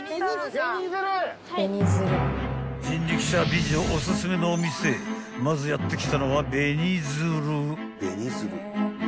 ［人力車美女おすすめのお店まずやって来たのは］